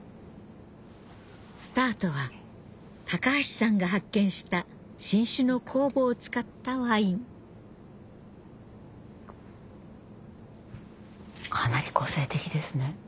スタートは橋さんが発見した新種の酵母を使ったワインかなり個性的ですね。